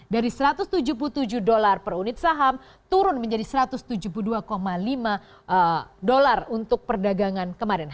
dari satu ratus tujuh puluh tujuh dolar per unit saham turun menjadi satu ratus tujuh puluh dua lima dolar untuk perdagangan kemarin